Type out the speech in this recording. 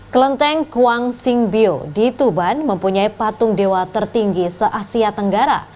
kelenteng kuang sing bio di tuban mempunyai patung dewa tertinggi se asia tenggara